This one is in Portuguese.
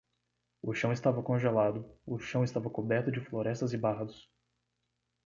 O chão estava congelado; o chão estava coberto de florestas e bardos.